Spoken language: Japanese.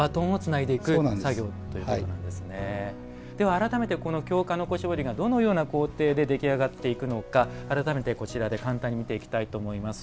改めて、京鹿の子絞りがどのような工程で出来上がっていくのか改めてこちらで簡単に見ていきたいと思います。